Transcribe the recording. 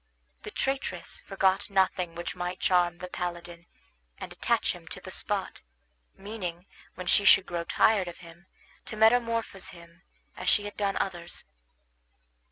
The traitress forgot nothing which might charm the paladin, and attach him to the spot, meaning, when she should grow tired of him, to metamorphose him as she had done others.